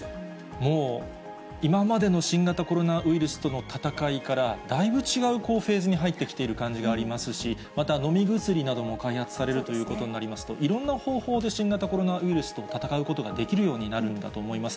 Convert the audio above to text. もう、今までの新型コロナウイルスとの闘いから、だいぶ違うフェーズに入ってきてる感じがありますし、また飲み薬なども開発されるということになりますと、いろんな方法で新型コロナウイルスと闘うことができるようになるんだと思います。